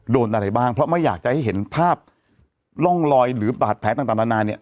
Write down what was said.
อะไรบ้างเพราะไม่อยากจะให้เห็นภาพร่องรอยหรือบาดแผลต่างนานาเนี่ย